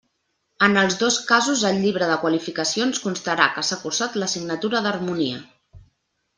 En els dos casos al llibre de qualificacions constarà que s'ha cursat l'assignatura d'harmonia.